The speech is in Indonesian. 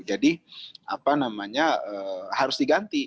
jadi harus diganti